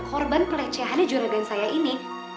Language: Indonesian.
korban pelecehannya juragan saya ini